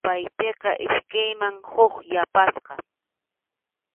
Yupaypiqa iskayman huk yapasqa.